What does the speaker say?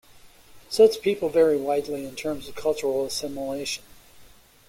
Such people vary widely in terms of cultural assimilation.